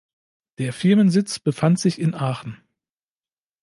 Der Firmensitz befand sich in Aachen.